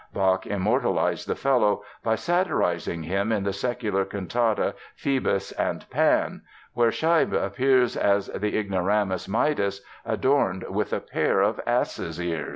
Bach immortalized the fellow by satirizing him in the secular cantata, "Phoebus and Pan," where Scheibe appears as the ignoramus Midas, adorned with a pair of ass's ears!